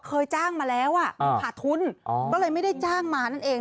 เคยจ้างมาแล้วอ่ะขาดทุนก็เลยไม่ได้จ้างมานั่นเอง